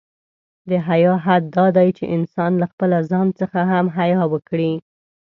د حیا حد دا دی، چې انسان له خپله ځان څخه هم حیا وکړي.